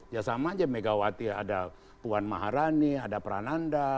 ya sama aja megawati ada puan maharani ada prananda